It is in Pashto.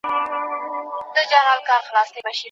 تاسي به حيرانېږئ .